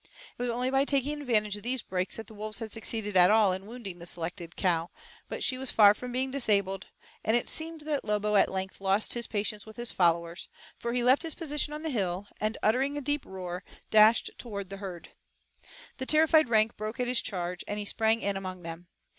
It was only by taking advantage of these breaks that the wolves had succeeded at all in wounding the selected cow, but she was far from being disabled, and it seemed that Lobo at length lost patience with his followers, for he left his position on the hill, and, uttering a deep roar, dashed toward the herd. The terrified rank broke at his charge, and he sprang in among them.